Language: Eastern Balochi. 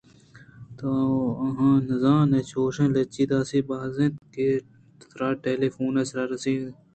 تو آہاں نہ زانئے چوشیں لچیءُداسی باز اِنت کہ تراٹیلی فونءِ سرا رس اَنت